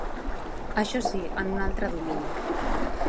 Això sí, en un altre domini.